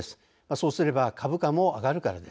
そうすれば株価も上がるからです。